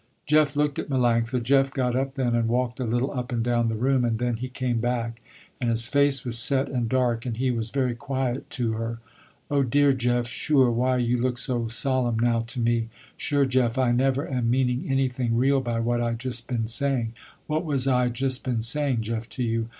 Jeff looked at Melanctha. Jeff got up then and walked a little up and down the room, and then he came back, and his face was set and dark and he was very quiet to her. "Oh dear, Jeff, sure, why you look so solemn now to me. Sure Jeff I never am meaning anything real by what I just been saying. What was I just been saying Jeff to you.